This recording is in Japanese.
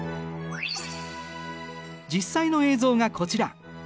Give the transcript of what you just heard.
実際の映像がこちら。